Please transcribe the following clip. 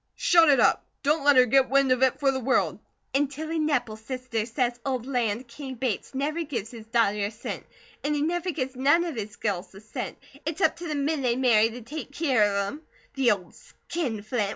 Shut it up! Don't let her get wind of it for the world!" "And Tilly Nepple's sister says old Land King Bates never give his daughter a cent, an' he never gives none of his girls a cent. It's up to the men they marry to take keer of them. The old skin flint!